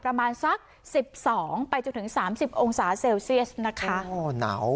ประมาณสัก๑๒ไปจนถึง๓๐องศาเซลเซียสนะคะ